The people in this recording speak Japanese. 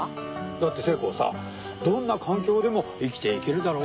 だって聖子はさどんな環境でも生きていけるだろ。